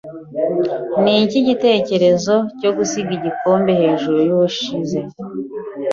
Niki gitekerezo cyo gusiga igikombe hejuru yubushize?